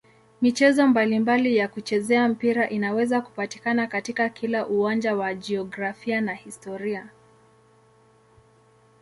Michezo mbalimbali ya kuchezea mpira inaweza kupatikana katika kila uwanja wa jiografia na historia.